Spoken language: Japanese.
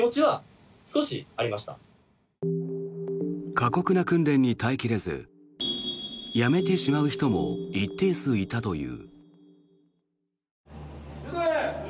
過酷な訓練に耐え切れず辞めてしまう人も一定数いたという。